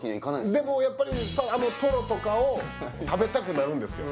でもやっぱりあのトロとかを食べたくなるんですよ